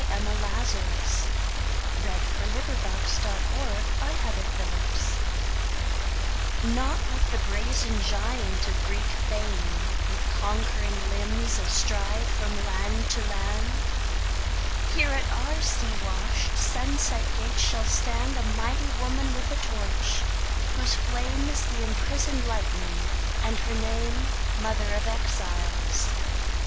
The Book of New York Verse. 1917. The New Colossus Emma Lazarus NOT like the brazen giant of Greek fame, With conquering limbs astride from land to land; Here at our sea washed, sunset gates shall standA mighty woman with a torch, whose flameIs the imprisoned lightning, and her nameMother of Exiles.